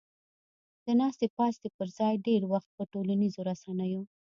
د ناستې پاستې پر ځای ډېر وخت په ټولنیزو رسنیو